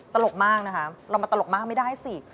ตลกมากนะคะเรามาตลกมากไม่ได้สิ